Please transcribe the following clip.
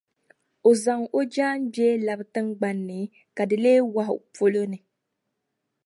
O zaŋ o jaangbee labi tiŋgbani ni, ka di leei wahu polo ni.